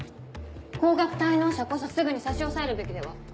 高額滞納者こそすぐに差し押さえるべきでは？